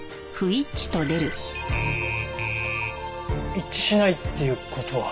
一致しないっていう事は。